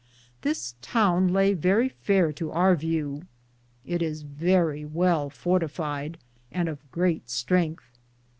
^ This towne Lay verrie fayer to our vew. It is verrie well fortified, and of greate strengthe.